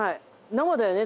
生だよね？